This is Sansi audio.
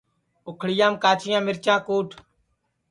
اُکھݪیام کاچیاں مِرچاں کُٹ